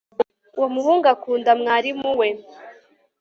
Uwo muhungu akunda mwarimu we